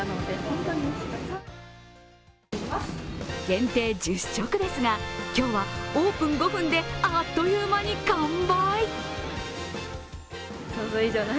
限定１０食ですが、今日はオープン５分であっという間に完売。